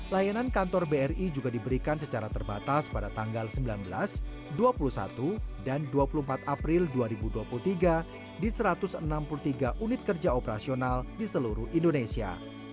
layanan kantor bri juga diberikan secara terbatas pada tanggal sembilan belas dua puluh satu dan dua puluh empat april dua ribu dua puluh tiga di satu ratus enam puluh tiga unit kerja operasional di seluruh indonesia